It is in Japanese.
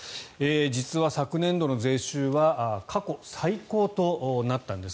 実は昨年度の税収は過去最高となったんです。